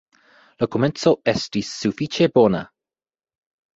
La komenco estis sufiĉe bona.